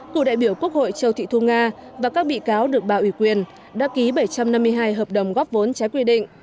cựu đại biểu quốc hội châu thị thu nga và các bị cáo được bà ủy quyền đã ký bảy trăm năm mươi hai hợp đồng góp vốn trái quy định